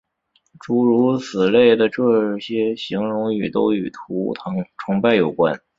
诸如此类的这些形容语都与图腾崇拜有关。